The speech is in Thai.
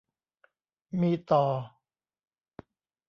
มีต่อ